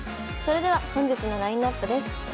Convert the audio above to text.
それでは本日のラインナップです。